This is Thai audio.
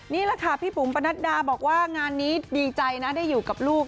นี่แหละค่ะพี่บุ๋มปนัดดาบอกว่างานนี้ดีใจนะได้อยู่กับลูก